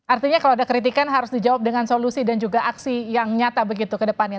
artinya kalau ada kritikan harus dijawab dengan solusi dan juga aksi yang nyata begitu ke depannya